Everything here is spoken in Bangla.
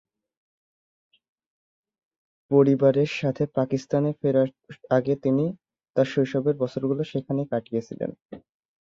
পরিবারের সাথে পাকিস্তানে ফেরার আগে তিনি তার শৈশবের বছরগুলো সেখানেই কাটিয়েছিলেন।